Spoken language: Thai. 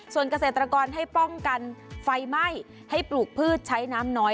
ส่วนเกษตรกรให้ป้องกันไฟไหม้ให้ปลูกพืชใช้น้ำน้อย